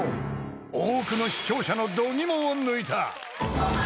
［多くの視聴者の度肝を抜いた］